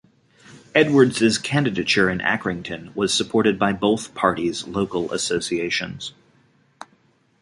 Edwards' candidature in Accrington was supported by both parties' local associations.